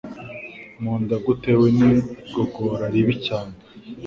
mu nda gutewe n’igogora ribi cyane